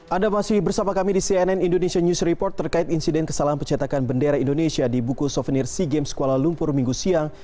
anda masih bersama kami di cnn indonesia news report terkait insiden kesalahan pencetakan bendera indonesia di buku souvenir sea games kuala lumpur minggu siang